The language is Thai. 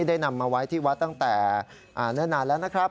ได้นำมาไว้ที่วัดตั้งแต่เนื้อนานแล้วนะครับ